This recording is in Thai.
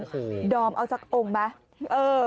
คือดอมเอาสักองค์ไหม